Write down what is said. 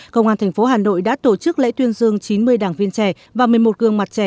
công an tp hà nội đã tổ chức lễ tuyên dương chín mươi đảng viên trẻ và một mươi một gương mặt trẻ